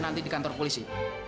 nanti di kantor polisi